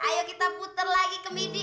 ayo kita puter lagi ke midi